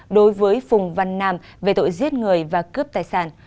đối với phùng văn nam về tội giết người và cướp tài sản